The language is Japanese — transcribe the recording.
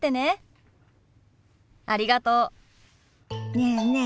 ねえねえ